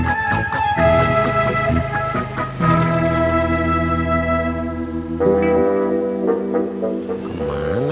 nih bolok ke dalam